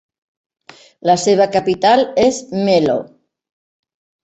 La seva capital és Melo.